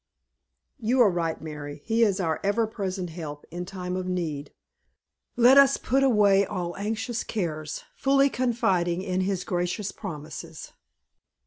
"You are right, Mary. He is our ever present help in time of need. Let us put away all anxious cares, fully confiding in his gracious promises."